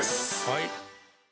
はい。